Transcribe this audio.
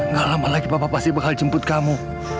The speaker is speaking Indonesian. nggak lama lagi papa pasti bakal jemput kamu